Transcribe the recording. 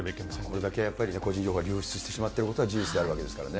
これだけやっぱり個人情報が流出してしまっていることは事実であるわけですからね。